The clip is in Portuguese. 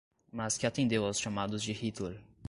mas que atendeu aos chamados de Hitler